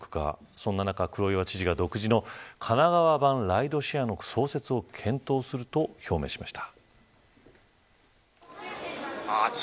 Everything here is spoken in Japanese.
そんな中、黒岩知事が独自の神奈川版ライドシェアの創設を検討すると表明しました。